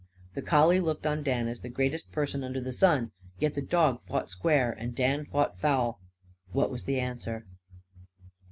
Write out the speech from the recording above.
The collie looked on Dan as the greatest person under the sun. Yet the dog fought square and Dan fought foul. What was the answer?